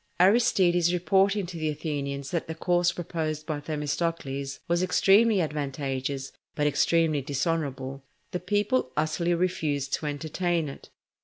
Aristides reporting to the Athenians that the course proposed by Themistocles was extremely advantageous but extremely dishonourable, the people utterly refused to entertain it.